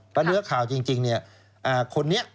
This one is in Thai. เพราะเนื้อข่าวจริงคนนี้